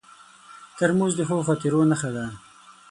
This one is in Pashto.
ترموز د ښو خاطرو نښه ده.